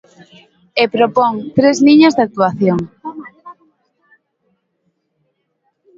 E propón tres liñas de actuación.